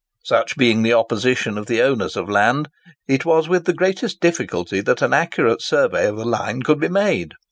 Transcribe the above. '" Such being the opposition of the owners of land, it was with the greatest difficulty that an accurate survey of the line could be made.